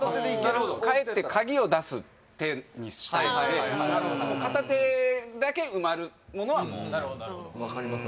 帰って鍵を出す手にしたいので片手だけ埋まるものはもうなるほどなるほど分かります